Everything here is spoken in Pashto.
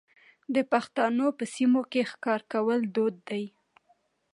د پښتنو په سیمو کې ښکار کول دود دی.